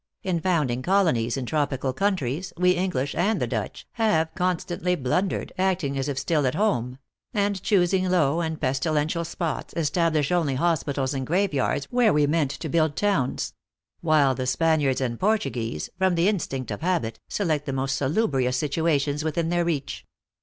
In founding colonies in tropical countries we English, and the Dutch, have constantly blundered, acting as if still at home ; and choosing low and pestilential spots, establish only hospitals and graveyards where we meant to build towns ; while the Spaniards and Portuguese, from the instinct of habit, select the most salubrious situa tions within their reach.